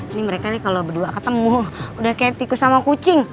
ini mereka nih kalau berdua ketemu udah kayak tikus sama kucing